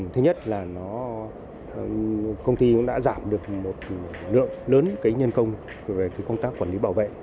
thứ nhất là nó công ty cũng đã giảm được một lượng lớn nhân công về công tác quản lý bảo vệ